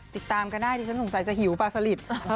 ติดตามก็ได้ดิฉันสงสัยจะหิวปลาสลิด